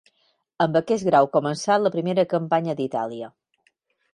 Amb aquest grau començà la primera campanya d'Itàlia.